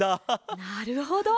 なるほど。